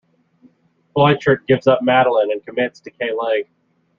Bleichert gives up Madeleine and commits to Kay Lake.